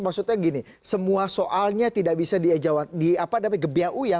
maksudnya gini semua soalnya tidak bisa dikebiau ya